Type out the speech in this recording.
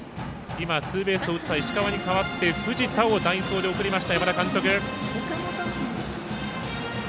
今ツーベースを打った石川に代わって藤田を代走で送りました山田監督。